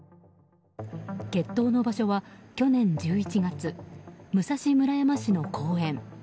決闘の場所は、去年１１月武蔵村山市の公園。